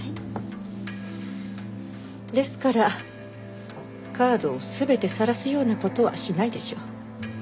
ですからカードを全てさらすような事はしないでしょう。